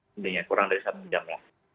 sebenarnya kurang dari satu jam lah